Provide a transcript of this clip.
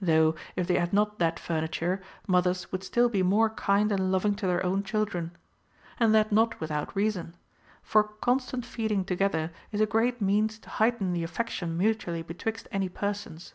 Though, if they had not that furniture, mothers would still be more kind and loving to their own children. And that not without reason ; for con stant feeding together is a great means to heighten the affection mutually betwixt any persons.